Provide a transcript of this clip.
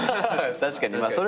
確かに。